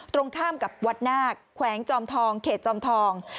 ตรงข้ามกับวัดนาคแขวงจอมทองเขตจอมทอง